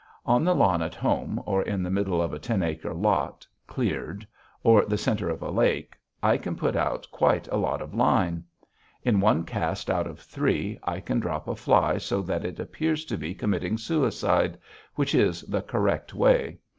On the lawn at home, or in the middle of a ten acre lot, cleared, or the center of a lake, I can put out quite a lot of line. In one cast out of three, I can drop a fly so that it appears to be committing suicide which is the correct way.